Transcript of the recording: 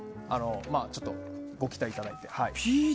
ちょっとご期待いただいて。